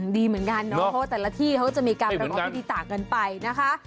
ดีเหมือนกันนเนอะเพราะแต่ละที่ก็จะมีการประโยชน์พิธีต่างกันไปนะคะ